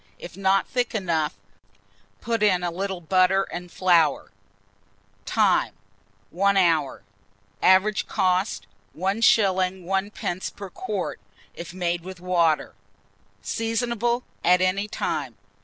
If not thick enough, put in a little butter and flour. Time. hour. Average cost, 1s. 1d. per quart, if made with water. Seasonable at any time.